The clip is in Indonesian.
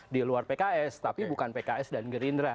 di luar pks tapi bukan pks dan gerindra